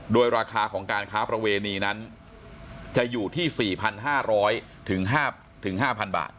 โดยราคาของการค้าประเวณีนั้นจะอยู่ที่สี่พันห้าร้อยถึงห้าถึงห้าพันบาท